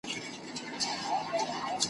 او څلور ناولونه یې چاپ کړل `